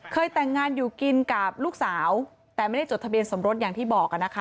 เคยแต่งงานอยู่กินกับลูกสาวแต่ไม่ได้จดทะเบียนสมรสอย่างที่บอกนะคะ